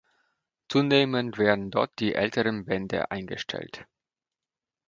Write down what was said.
Zunehmend werden dort die älteren Bände eingestellt.